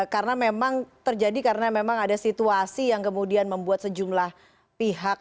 karena memang terjadi karena memang ada situasi yang kemudian membuat sejumlah pihak